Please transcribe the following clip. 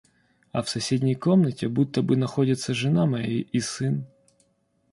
А в соседней комнате, будто бы находятся жена моя и сын.